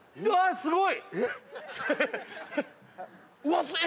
すごい！